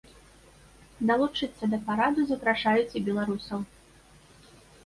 Далучыцца да параду запрашаюць і беларусаў.